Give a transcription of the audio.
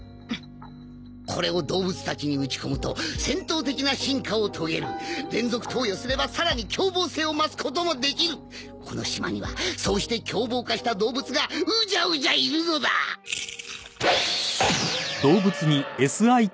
これを動物たちに撃ち込むと戦闘的な進化を遂げる連続投与すればさらに凶暴性を増すこともできるこの島にはそうして凶暴化した動物がウジャウジャいるのだグォーッ！